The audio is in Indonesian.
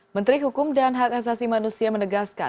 menteri hukum dan hak asasi manusia menegaskan